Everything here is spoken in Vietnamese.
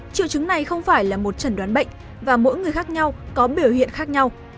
triệu chứng này không phải là một trần đoán bệnh và mỗi người khác nhau có biểu hiện khác nhau